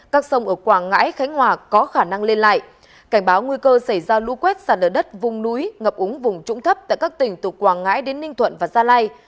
cảnh báo nguy cơ xảy ra lũ quét sẵn ở đất vùng núi ngập úng vùng trụng thấp tại các tỉnh từ quảng ngãi đến ninh thuận và gia lai